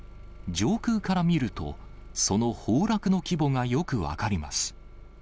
上空から見ると、その崩落の規模がよく分かります。